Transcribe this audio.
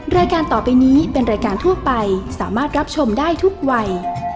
รายการต่อไปนี้เป็นรายการทั่วไปสามารถรับชมได้ทุกวัย